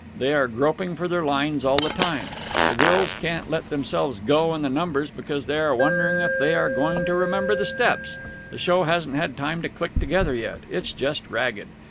They are groping for their lines all the time. The girls can't let themselves go in the numbers, because they are wondering if they are going to remember the steps. The show hasn't had time to click together yet. It's just ragged.